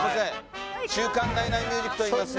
『週刊ナイナイミュージック』といいます。